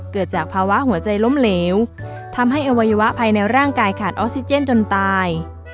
เกิดจากภาวะหัวใจล้มเหลวทำให้อวัยวะภายในร่างกายขาดออกซิเจนจนตาย